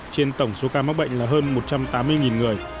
trên tổng số ca mắc bệnh là hơn một trăm tám mươi người